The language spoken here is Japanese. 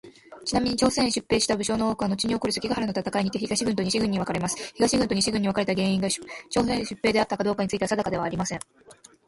ちなみに、朝鮮へ出兵した武将の多くはのちに起こる関ヶ原の戦いにて東軍と西軍に分かれます。東軍と西軍に分かれた原因にが朝鮮出兵であったかどうかについては定かではありません。